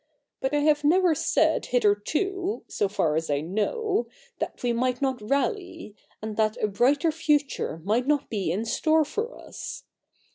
But I have never said hitherto, so far as I know, that we might not rally, and that a brighter future might not be in store for us.